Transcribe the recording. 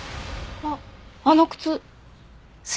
あっあの靴。